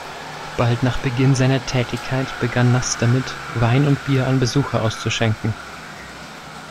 Bald nach Beginn seiner Tätigkeit begann Nast damit, Wein und Bier an Besucher auszuschenken.